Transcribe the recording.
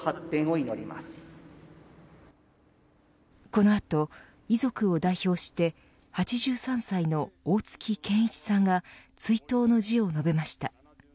この後、遺族を代表して８３歳の大月健一さんが追悼の辞を述べました。